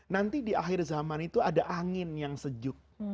nanti di akhir zaman itu ada angin yang sejuk